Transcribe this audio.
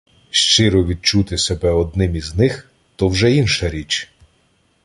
Щиро відчути себе одним із них — то вже інша річ